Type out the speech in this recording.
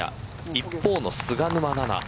一方の菅沼菜々。